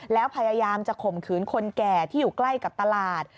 แล้วพยายามจะข่มขืนคนแก่ที่อยู่ใกล้กับตลาด